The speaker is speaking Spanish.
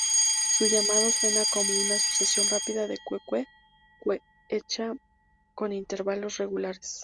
Su llamado suena como una sucesión rápida de cue-cue-cue hecha con intervalos regulares.